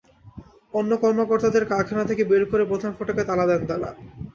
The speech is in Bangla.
অন্য কর্মকর্তাদের কারখানা থেকে বের করে প্রধান ফটকে তালা দেন তাঁরা।